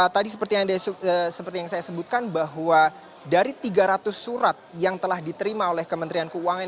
tadi seperti yang saya sebutkan bahwa dari tiga ratus surat yang telah diterima oleh kementerian keuangan